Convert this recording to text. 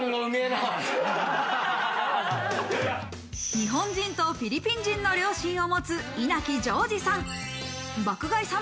日本人とフィリピン人の両親を持つ、稲木ジョージさん。